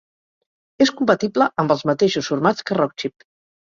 És compatible amb els mateixos formats que Rockchip.